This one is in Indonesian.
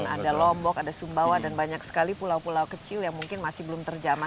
ada lombok ada sumbawa dan banyak sekali pulau pulau kecil yang mungkin masih belum terjamah